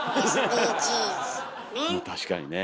確かにね。